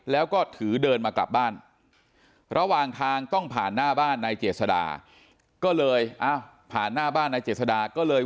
แล้วก็ถือเดินมากลับบ้านระหว่างทางต้องผ่านหน้าบ้านนายเจษฎาก็เลย